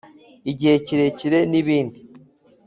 igihe kirekire n ibindi